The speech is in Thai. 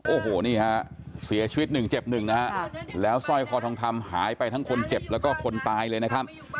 โอ้โหนี่ฮะเสียชีวิตหนึ่งเจ็บหนึ่งนะฮะแล้วสร้อยคอทองคำหายไปทั้งคนเจ็บแล้วก็คนตายเลยนะครับ